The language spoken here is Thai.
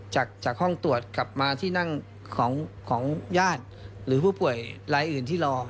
จากห้องตรวจกลับมาที่นั่งของญาติหรือผู้ป่วยรายอื่นที่รอ